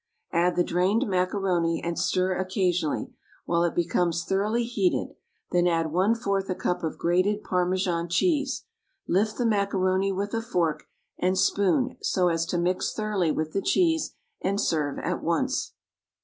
Add the drained macaroni and stir occasionally, while it becomes thoroughly heated, then add one fourth a cup of grated Parmesan cheese. Lift the macaroni with a fork and spoon so as to mix thoroughly with the cheese, and serve at once.